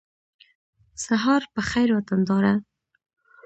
سهار په خېر وطنداره